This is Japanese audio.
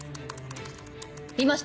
いました。